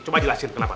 coba jelasin kenapa